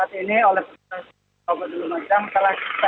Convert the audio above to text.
saat ini oleh keputusan kabupaten jawa timur